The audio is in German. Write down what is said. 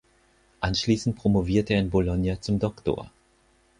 Anschließend promovierte er in Bologna zum Doktor.